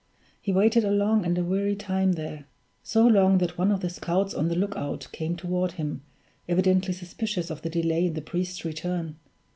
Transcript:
He waited a long and a weary time there so long that one of the scouts on the lookout came toward him, evidently suspicious of the delay in the priest's return.